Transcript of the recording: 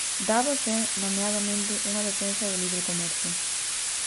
Davos é, nomeadamente, unha defensa do libre comercio.